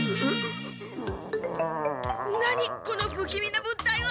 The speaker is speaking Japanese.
何このぶきみな物体は！